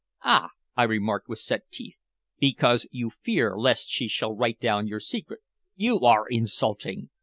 "Ah!" I remarked with set teeth. "Because you fear lest she shall write down your secret." "You are insulting!